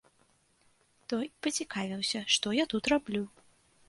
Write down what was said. Той пацікавіўся, што я тут раблю.